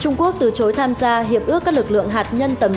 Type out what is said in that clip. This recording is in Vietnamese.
trung quốc từ chối tham gia hiệp ước các lực lượng hạt nhân tầm